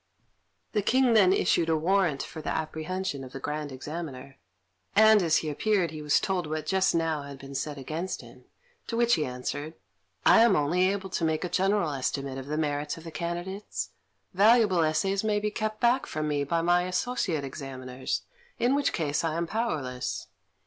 The King then issued a warrant for the apprehension of the Grand Examiner, and, as soon as he appeared, he was told what had just now been said against him; to which he answered, "I am only able to make a general estimate of the merits of the candidates. Valuable essays may be kept back from me by my Associate Examiners, in which case I am powerless."